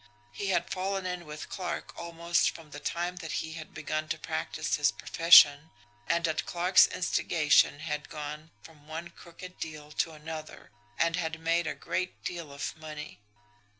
He had fallen in with Clarke almost from the time that he had begun to practise his profession, and at Clarke's instigation had gone from one crooked deal to another, and had made a great deal of money.